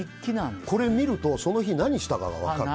これを見るとその日に何をしたか分かる。